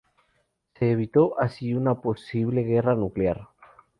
Se evitó así una posible guerra nuclear.